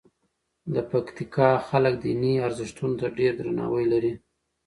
د پکتیکا خلک دیني ارزښتونو ته ډېر درناوی لري.